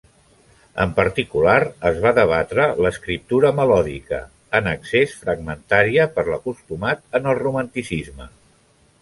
En particular, es va debatre l'escriptura melòdica, en excés fragmentària per l'acostumat en el Romanticisme.